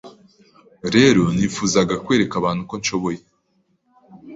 rero nifuzaga kwereka abantu ko nshoboye